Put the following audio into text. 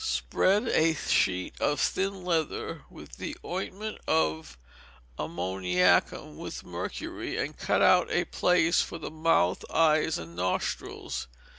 Spread a sheet of thin leather with the ointment of ammoniacum with mercury, and cut out a place for the mouth, eyes, and nostrils.